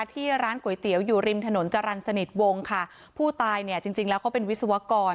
ที่ร้านก๋วยเตี๋ยวอยู่ริมถนนจรรย์สนิทวงค่ะผู้ตายเนี่ยจริงจริงแล้วเขาเป็นวิศวกร